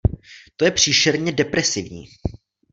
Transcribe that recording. To je příšerně depresivní.